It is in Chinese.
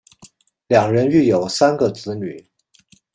两人育有三个子女。